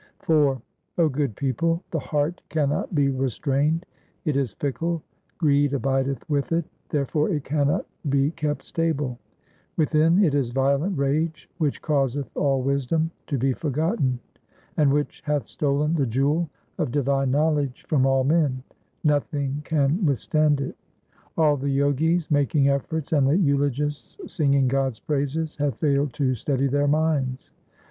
IV 0 good people, the heart cannot be restrained ; It is fickle, greed abideth with it, therefore it cannot be kept stable ; Within it is violent rage which causeth all wisdom to be forgotten, And which hath stolen the jewel of divine knowledge from all men : nothing can withstand it. All the Jogis making efforts and the eulogists singing God's praises have failed to steady their minds.